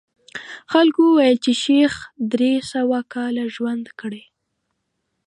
خلکو ویل چې شیخ درې سوه کاله ژوند کړی.